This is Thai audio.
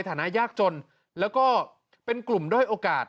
ฐานะยากจนแล้วก็เป็นกลุ่มด้อยโอกาส